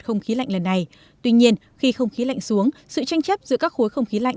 không khí lạnh lần này tuy nhiên khi không khí lạnh xuống sự tranh chấp giữa các khối không khí lạnh